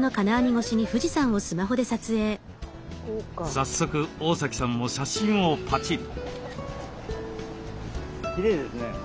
早速大崎さんも写真をパチリ。